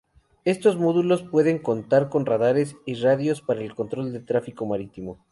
Estos módulos pueden contar con radares y radios para el control del tráfico marítimo.